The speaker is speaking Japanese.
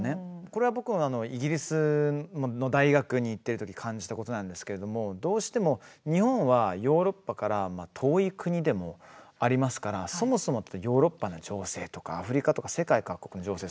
これは僕の、イギリスの大学に行ってるとき感じたことなんですけれどもどうしても日本はヨーロッパから遠い国でもありますからそもそもヨーロッパの情勢とかアフリカとか世界各国の情勢